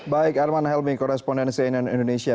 baik arman helmi koresponden cnn indonesia